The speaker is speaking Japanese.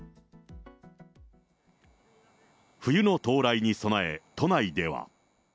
冬の到来に備え、都内では。